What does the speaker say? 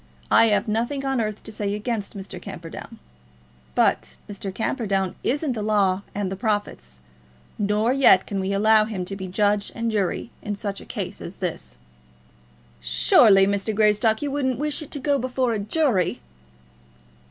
"I have nothing on earth to say against Mr. Camperdown. But Mr. Camperdown isn't the law and the prophets, nor yet can we allow him to be judge and jury in such a case as this." "Surely, Mr. Greystock, you wouldn't wish it to go before a jury."